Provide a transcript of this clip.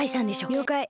りょうかい。